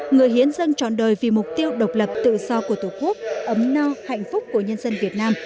người hiến dân chọn đời vì mục tiêu độc lập tự do của tổ quốc ấm no hạnh phúc của nhân dân việt nam